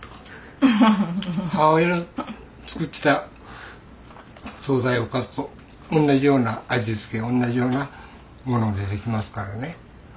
母親の作ってた総菜おかずと同じような味付け同じようなもの出てきますからね。